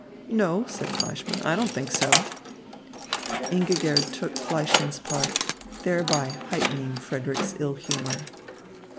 "No," said Fleischmann, "I don't think so." Ingigerd took Fleischmann's part, thereby heightening Frederick's ill humour.